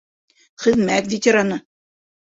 Хеҙмәт ветераны.